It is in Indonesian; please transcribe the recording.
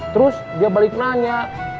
terus dia balik nanya